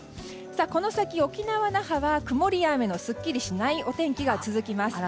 この先、沖縄・那覇は曇りや雨のすっきりしないお天気が続きます。